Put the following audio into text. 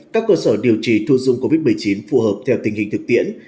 các cơ sở điều trị thu dung covid một mươi chín phù hợp theo tình hình thực tiễn